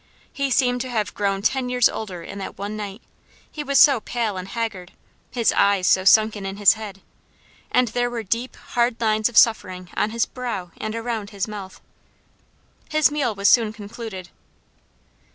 He seemed to have grown ten years older in that one night he was so pale and haggard his eyes so sunken in his head, and there were deep, hard lines of suffering on his brow and around his mouth. His meal was soon concluded.